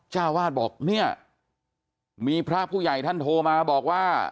เจ้าวาดบอกเนี่ยมีพระผู้ใหญ่ท่านโทรมาบอกว่า